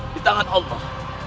di tangan allah